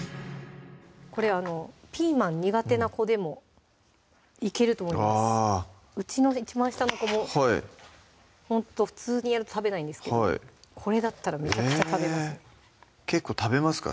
これピーマン苦手な子でもいけると思いますうちの一番下の子もほんと普通にやると食べないんですけどこれだったらめちゃくちゃ食べますね結構食べますか？